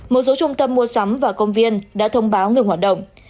một số trung tâm mua sắm và công viên đã thông báo ngừng hoạt động